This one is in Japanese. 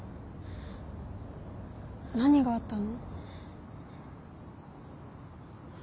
何があったの？